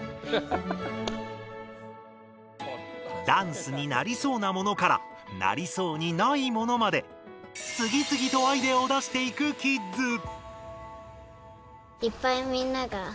ダンスになりそうなものからなりそうにないものまで次々とアイデアを出していくキッズ。